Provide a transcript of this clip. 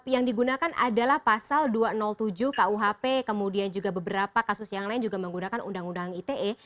yang digunakan adalah pasal dua ratus tujuh kuhp kemudian juga beberapa kasus yang lain juga menggunakan undang undang ite